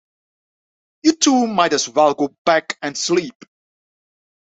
You two might as well go back and sleep.